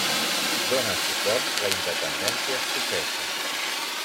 Dóna suport la independència escocesa.